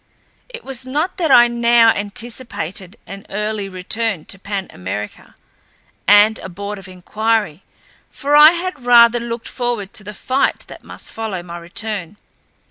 It was not that I now anticipated an early return to Pan America and a board of inquiry, for I had rather looked forward to the fight that must follow my return.